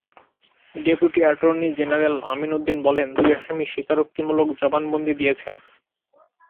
Deputy attorney general Amin Uddin বলেন, দুই আসামি স্বীকারোক্তিমূলক জবানবন্দি দিয়েছেন।